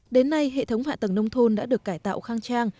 đến nay hệ thống hạ tầng nông thôn đã được cải tạo khang trang